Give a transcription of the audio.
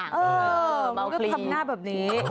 เออมันก็ทำหน้าแบบนี้